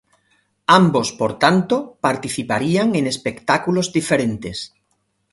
Ambos, por tanto, participarían en espectáculos diferentes.